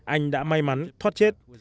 anh đã may mắn thoát chết